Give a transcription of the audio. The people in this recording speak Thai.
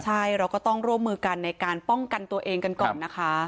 ใช่เราก็ต้องร่วมมือกันในการป้องกันตัวเองกันก่อนนะคะ